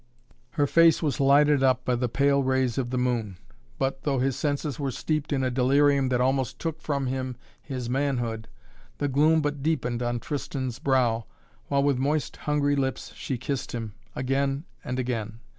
Her face was lighted up by the pale rays of the moon. But, though his senses were steeped in a delirium that almost took from him his manhood, the gloom but deepened on Tristan's brow, while with moist hungry lips she kissed him, again and again.